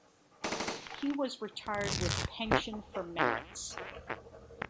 He was retired with pension for merits.